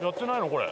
これ。